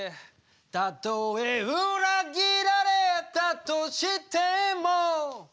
「たとえ裏切られたとしても」